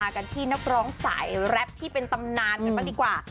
กันที่นักร้องสายแรปที่เป็นตำนานกันบ้างดีกว่า